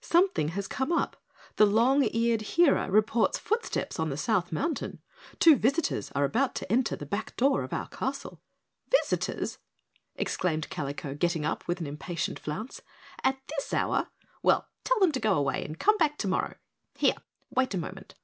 "Something has come up, the Long Eared Hearer reports footsteps on the South Mountain. Two visitors are about to enter the back door of our castle." "Visitors!" exclaimed Kalico, getting up with an impatient flounce. "At this hour! Well, tell them to go away and come back tomorrow. Here, wait a moment."